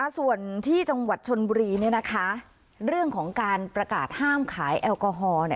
ส่วนที่จังหวัดชนบุรีเรื่องของการประกาศห้ามขายแอลกอฮอล์